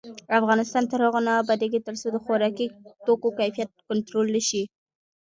افغانستان تر هغو نه ابادیږي، ترڅو د خوراکي توکو کیفیت کنټرول نشي.